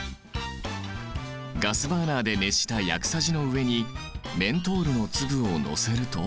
ガスバーナーで熱した薬さじの上にメントールの粒を載せると。